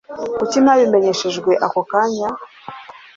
Kuki ntabimenyeshejwe ako kanya?